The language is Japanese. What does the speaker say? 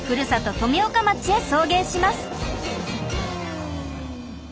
富岡町へ送迎します。